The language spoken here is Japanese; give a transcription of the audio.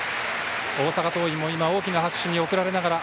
大阪桐蔭も大きな拍手に送られながら